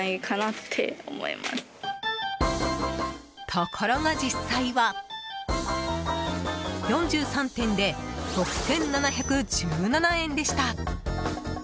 ところが、実際は４３点で６７１７円でした。